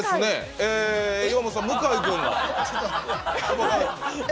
え岩本さん向井君が。え！？